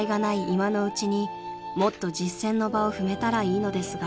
今のうちにもっと実践の場を踏めたらいいのですが］